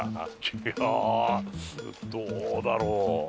いやあどうだろう？